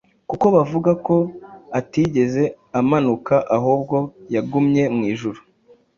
kuko bavuga ko atigeze amanuka ahubwo yagumye mu ijuru.